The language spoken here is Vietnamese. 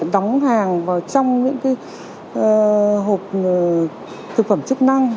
đóng hàng vào trong những hộp thực phẩm chức năng